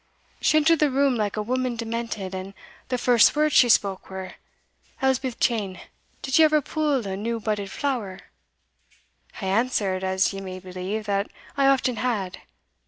She entered the room like a woman demented, and the first words she spoke were, Elspeth Cheyne, did you ever pull a new budded flower?' I answered, as ye may believe, that I often had.